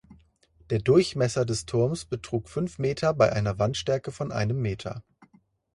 Der Durchmesser des Turms betrug fünf Meter bei einer Wandstärke von einem Meter.